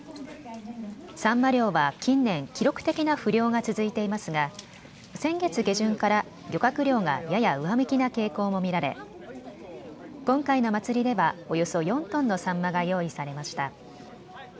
サンマ漁は近年、記録的な不漁が続いていますが先月下旬から漁獲量がやや上向きな傾向も見られ今回の祭りではおよそ４トンのサンマが用意されました。